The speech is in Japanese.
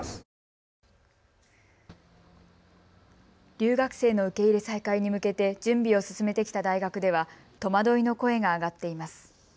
留学生の受け入れ再開に向けて準備を進めてきた大学では戸惑いの声が上がっています。